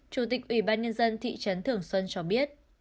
chủ tịch ủy ban nhân dân thị trấn thường xuân cho biết